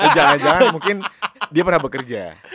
jangan jangan mungkin dia pernah bekerja